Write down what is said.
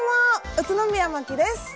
宇都宮まきです。